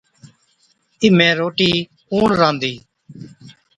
اِمھين روٽِي ڪُوڻ رانڌِي؟